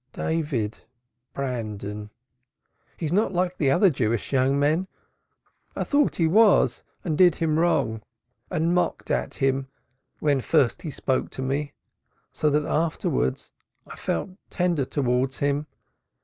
"David Brandon. He is not like other Jewish young men; I thought he was and did him wrong and mocked at him when first he spoke to me, so that afterwards I felt tender towards him.